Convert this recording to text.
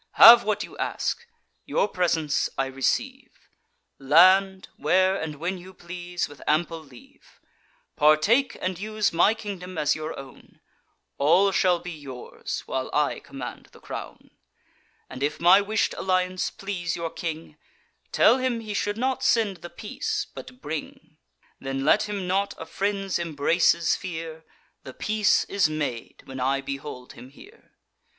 Have what you ask; your presents I receive; Land, where and when you please, with ample leave; Partake and use my kingdom as your own; All shall be yours, while I command the crown: And, if my wish'd alliance please your king, Tell him he should not send the peace, but bring. Then let him not a friend's embraces fear; The peace is made when I behold him here.